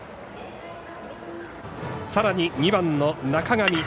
さらに２番の中上。